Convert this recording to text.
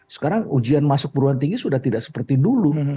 sekarang ujian masuk perguruan tinggi sudah tidak seperti dulu